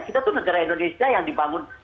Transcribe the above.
kita tuh negara indonesia yang dibangun